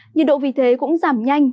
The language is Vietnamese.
nhiệt độ vì thế cũng giảm nhanh